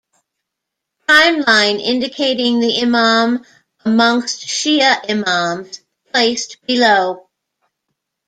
Time line indicating the Imam amongst Shia Imams placed below.